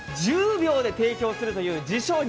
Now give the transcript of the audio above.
１０秒で提供するという自称